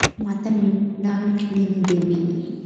মাতা মৃণালিনী দেবী।